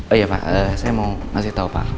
oh iya pak saya mau ngasih tau pak